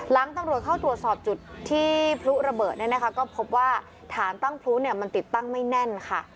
หลังตำรวจเข้าตรวจสอบจุดที่พลุระเบิดเนี่ยนะคะก็พบว่าฐานตั้งพลุเนี่ยมันติดตั้งไม่แน่นค่ะ